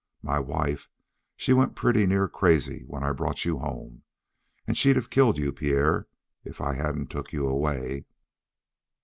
My wife, she went pretty near crazy when I brought you home. And she'd of killed you, Pierre, if I hadn't took you away.